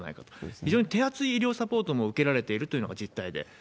非常に手厚い医療サポートも受けられているというのが実態で。